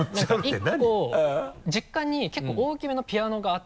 １個実家に結構大きめのピアノがあって。